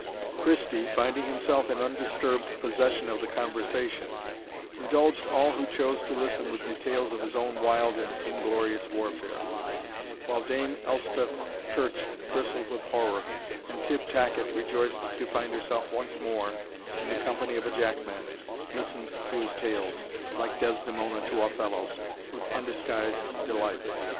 Christie, finding himself in undisturbed possession of the conversation, indulged all who chose to listen with details of his own wild and inglorious warfare, while Dame Elspeth's curch bristled with horror, and Tibb Tacket, rejoiced to find herself once more in the company of a jackman, listened to his tales, like Desdemona to Othello's, with undisguised delight.